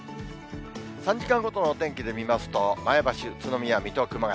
３時間ごとのお天気で見ますと、前橋、宇都宮、水戸、熊谷。